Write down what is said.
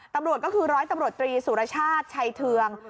ตำรวจก็คือร้อยตำรวจตรีสุรชาติชัยเทือง